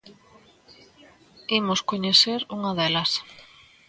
Imos coñecer unha delas.